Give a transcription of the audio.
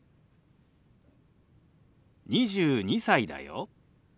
「２２歳だよ」。